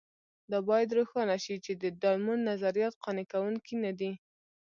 دا باید روښانه شي چې د ډایمونډ نظریات قانع کوونکي نه دي.